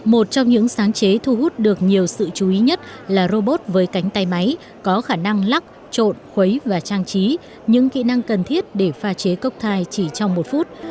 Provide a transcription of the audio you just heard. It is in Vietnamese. một trong những sáng chế thu hút được nhiều sự chú ý nhất là robot với cánh tay máy có khả năng lắc trộn khuấy và trang trí những kỹ năng cần thiết để pha chế cốc thai chỉ trong một phút